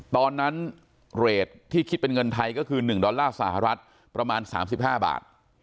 ตอนนั้นเรทที่คิดเป็นเงินไทยก็คือ๑ดอลลาร์สหรัฐประมาณ๓๕บาท